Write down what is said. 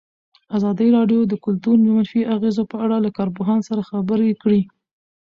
ازادي راډیو د کلتور د منفي اغېزو په اړه له کارپوهانو سره خبرې کړي.